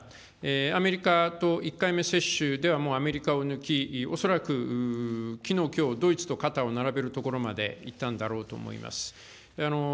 アメリカと、１回目接種ではもうアメリカを抜き、恐らくきのう、きょう、ドイツと肩を並べるところまでいったんだろうと思います。